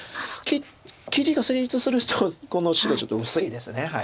切りが成立するとこの白ちょっと薄いですだいぶ。